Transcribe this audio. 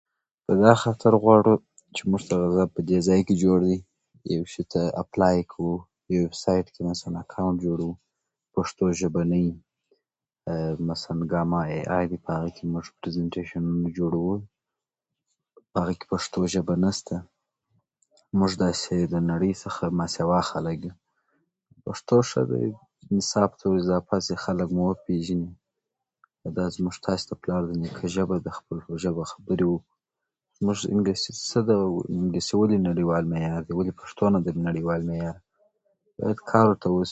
په دې خاطر غواړو چې موږ ته په دې ځای کې جوړ وي. یو شي ته اپلای کوو، یو سایټ کې مثلاً اکاونټ جوړوو، پښتو ژبه نه وي. مثلاً، مثلاً ګاما اې ای لپاره چې موږ پرېزینټېشن جوړوو، په هغه کې پښتو ژبه نشته. موږ داسې د نړۍ څخه ماسیوا خلک یو. پښتو ښه ده، نصاب ته وراضافه شي چې خلک مو وپېژني. دا زموږ ستاسو د پلار نیکه ژبه ده چې په خپله ژبه خبرې وکړو. موږ انګلیسي څه ده؟ انګلیسي ولې نړیوال معیار ده، ولې پښتو نه ده په نړیوال معیار؟ باید کار ورته وشي.